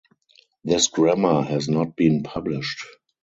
This grammar has not been published.